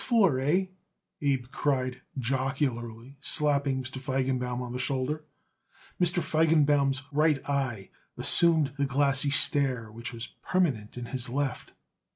"Sixth floor, hey?" Abe cried jocularly, slapping Mr. Feigenbaum on the shoulder. Mr. Feigenbaum's right eye assumed the glassy stare which was permanent in his left.